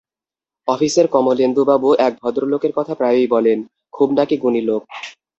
অফিসের কমলেন্দুবাবু এক ভদ্রলোকের কথা প্রায়ই বলেন, খুব নাকি গুণী লোক।